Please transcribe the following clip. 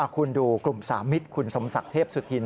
คุณดูกลุ่มสามิตรคุณสมศักดิ์เทพสุธิน